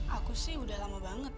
aku sih udah lama banget